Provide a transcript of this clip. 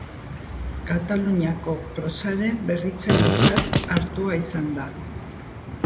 Kataluniako prosaren berritzailetzat hartua izan da.